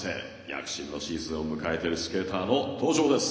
躍進のシーズンを迎えているスケーターの登場です。